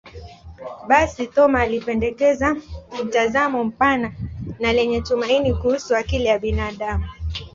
Basi, Thoma alipendekeza mtazamo mpana na lenye tumaini kuhusu akili ya binadamu.